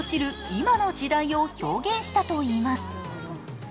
今の時代を表現したといいます。